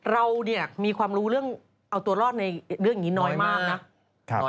เรามีความรู้ออกตัวรอดในเรื่องนี้น้อยมากนะ